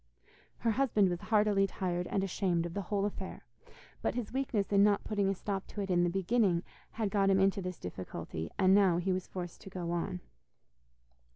Her husband was heartily tired and ashamed of the whole affair, but his weakness in not putting a stop to it in the beginning had got him into this difficulty, and now he was forced to go on.